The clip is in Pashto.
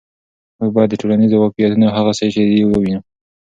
موږ باید د ټولنې واقعیتونه هغسې چې دي ووینو.